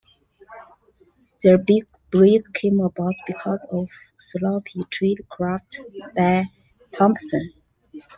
Their big break came about because of sloppy tradecraft by Thompson.